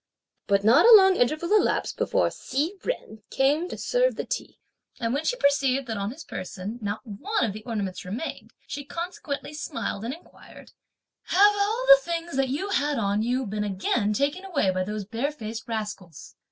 But not a long interval elapsed before Hsi Jen came to serve the tea; and when she perceived that on his person not one of the ornaments remained, she consequently smiled and inquired: "Have all the things that you had on you been again taken away by these barefaced rascals?"